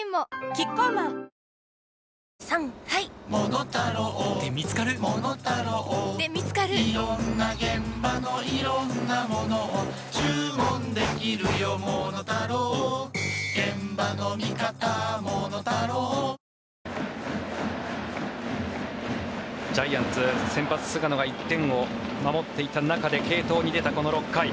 キッコーマンジャイアンツ先発、菅野が１点を守っていた中で継投に出た、この６回。